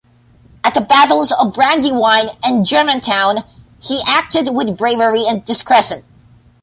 At the battles of Brandywine and Germantown he acted with bravery and discretion.